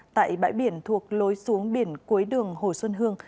tại bãi biển thuộc lối xuống biển cuối đường hồ xuân hương